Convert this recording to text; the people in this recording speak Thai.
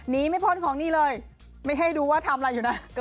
ไม่พ้นของนี่เลยไม่ให้ดูว่าทำอะไรอยู่นะ